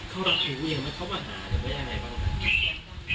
เขารับรู้อย่างไรเขามาหาหรือเป็นอย่างไรบ้าง